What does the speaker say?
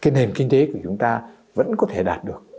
cái nền kinh tế của chúng ta vẫn có thể đạt được